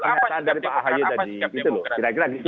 apa sikap dari pak hayo tadi